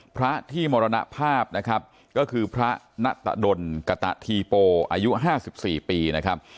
พระที่มรณภาพนะครับก็คือพระณตะดลกตะทีโปอายุ๕๔ปีนะครับ